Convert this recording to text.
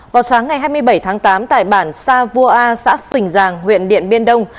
vào sáng ngày hai mươi bảy tháng tám tại bản sa vua a xã phình giàng huyện điện biên đông